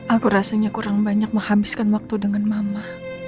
aku rasanya kurang banyak menghabiskan waktu dengan mama